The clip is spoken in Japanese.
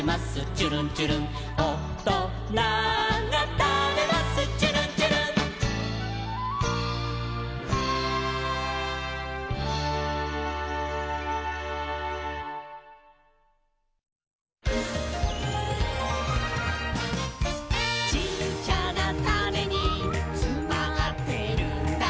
ちゅるんちゅるん」「おとながたべますちゅるんちゅるん」「ちっちゃなタネにつまってるんだ」